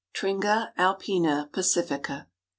(_Tringa alpina pacifica.